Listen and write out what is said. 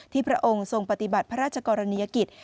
พระองค์ทรงปฏิบัติพระราชกรณียกิจ